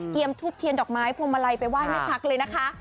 เกียมทูบเทียนดอกไม้พวงมาลัยไปว่ายแม่ตั๊กเลยนะคะ